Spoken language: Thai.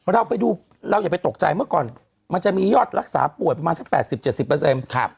เราไปดูเราอย่าไปตกใจเมื่อก่อนมันจะมียอดรักษาป่วยประมาณสัก๘๐๗๐